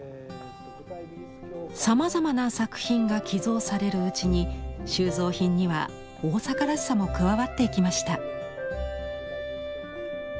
さまざまな作品が寄贈されるうちに収蔵品には大阪らしさも加わっていきました。